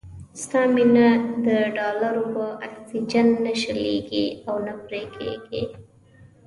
ستا مينه د ډالرو په اکسيجن نه شلېږي او نه پرې کېږي.